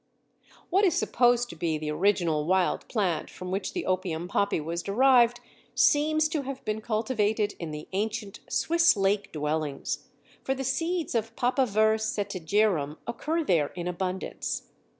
] What is supposed to be the original wild plant from which the opium poppy was derived seems to have been cultivated in the ancient Swiss lake dwellings, for the seeds of Papaver setigerum occur there in abundance.